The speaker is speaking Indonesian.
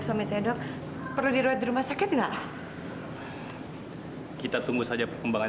sampai jumpa di video selanjutnya